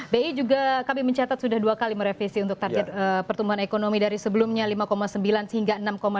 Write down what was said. bi juga kami mencatat sudah dua kali merevisi untuk target pertumbuhan ekonomi dari sebelumnya lima sembilan hingga enam delapan